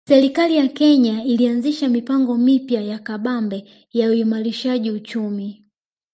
Serikali ya Kenya ilianzisha mipango mipya na kabambe ya uimarishaji uchumi